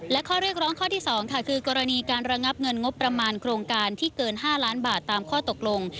และข้อเรียกร้องข้อที่๒ค่ะคือกรณีการระงับเงินงบประมาณโครงการที่เกิน๕ล้านบาทตามข้อตกลง